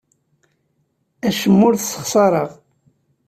Acemma ur t-ssexṣareɣ.